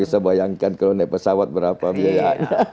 kita bisa bayangkan kalau naik pesawat berapa biaya